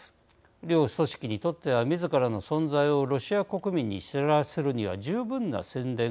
両組織にとってはみずからの存在をロシア国民に知らせるには十分な宣伝効果はありました。